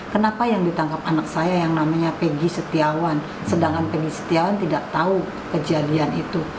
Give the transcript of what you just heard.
kenapa yang ditangkap anak saya yang namanya peggy setiawan sedangkan pegi setiawan tidak tahu kejadian itu